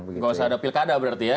nggak usah ada pilkada berarti ya